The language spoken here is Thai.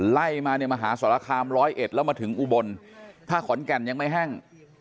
ไล่มาเนี่ยมหาสรคามร้อยเอ็ดแล้วมาถึงอุบลถ้าขอนแก่นยังไม่แห้ง